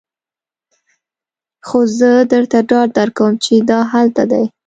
خو زه درته ډاډ درکوم چې دا هلته دی